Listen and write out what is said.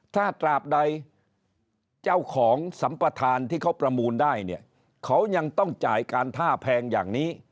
ถ้าตราบใดเจ้าของสัมปทานที่เขาประมูลได้เนี่ยเขายังต้องจ่ายการท่าแพงอย่างนี้